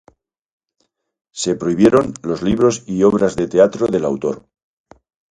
Se prohibieron los libros y obras de teatro del autor.